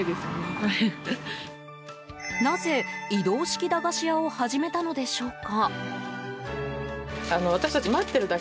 なぜ、移動式駄菓子屋を始めたのでしょうか。